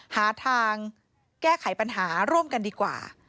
หาทางแก้ไขปัญหาร่วมกันดีกว่า